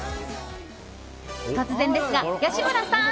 突然ですが、吉村さん